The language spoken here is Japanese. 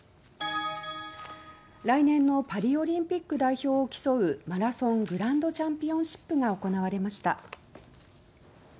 来年のパリオリンピック代表を競うマラソングランドチャンピオンシップが行われました。